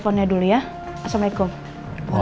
saya tinggal di rumah sama mama